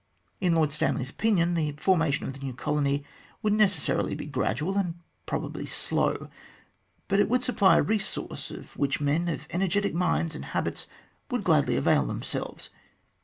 In Lord Stanley's opinion, the formation of the new colony would necessarily be gradual, and probably slow, but it would supply a resource of which men of energetic minds and habits would gladly avail themselves.